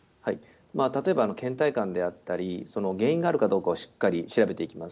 例えば、けん怠感であったり、原因があるかどうかをしっかり調べていきます。